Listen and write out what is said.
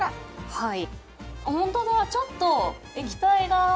はい。